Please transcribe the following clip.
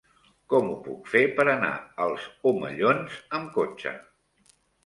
Com ho puc fer per anar als Omellons amb cotxe?